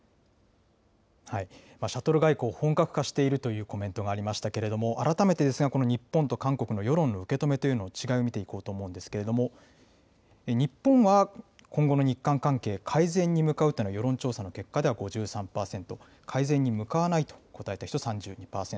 シャトル外交、本格化しているというコメントがありましたけれども、改めてですが、この日本と韓国の世論の受け止めというのを、違いを見ていこうと思うんですけれども、日本は今後の日韓関係、改善に向かうというのが世論調査の結果では５３％、改善に向かわないと答えた人３２％。